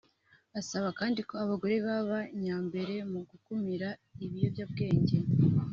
asaba kandi ko abagore baba nyambere mu gukumira ibiyobyabwenge